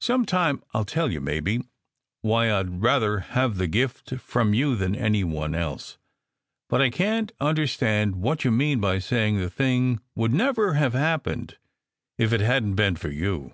"Some time I ll tell you, maybe, why I d rather have the gift from you than any one else. But I can t understand what you mean by saying the thing would never have happened if it hadn t been for you."